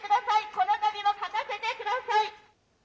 このたびも勝たせてください。